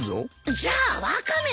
じゃあワカメだ！